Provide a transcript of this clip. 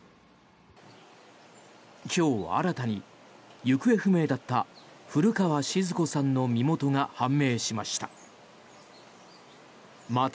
今日、新たに行方不明だった古川静子さんの身元が判明しました。